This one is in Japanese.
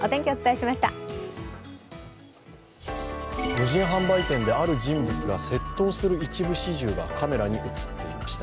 無人販売店である人物が窃盗する一部始終がカメラに映っていました。